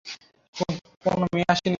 কোনো মেয়ে আসেনি।